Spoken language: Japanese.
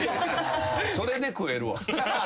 それで食えるわ。